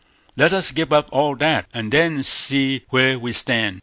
Let us give up all that, and then see where we stand.